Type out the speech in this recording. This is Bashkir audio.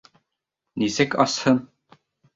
Нисек асһын?